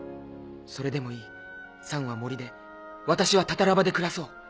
それでもいいサンは森で私はタタラ場で暮らそう。